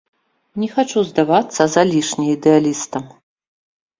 Не хачу здавацца залішне ідэалістам.